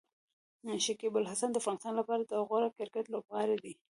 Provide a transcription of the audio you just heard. شکيب الحسن د افغانستان لپاره د غوره کرکټ لوبغاړی دی.